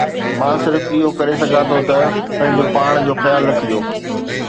مان صرف اهو ڪري سگهان ٿو ته پنهنجو پاڻ جو خيال رکجو